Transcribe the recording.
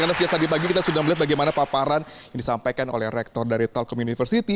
karena sejak tadi pagi kita sudah melihat bagaimana paparan yang disampaikan oleh rektor dari telkom universiti